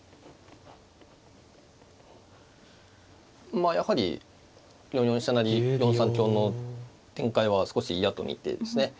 まあやはり４四飛車成４三香の展開は少し嫌と見てですね